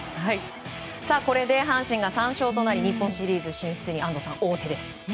これで阪神が３勝となり日本シリーズ進出に王手です。